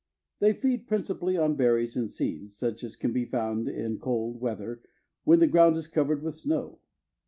They feed principally on berries and seeds, such as can be found in cold weather when the ground is covered with snow.